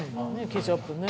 「ケチャップね」